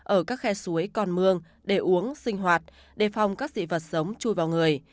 ở các khe suối con mương để uống sinh hoạt đề phòng các dị vật sống chui vào người